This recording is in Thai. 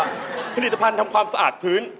ผลิตภัณฑ์ทำความสะอาดพื้น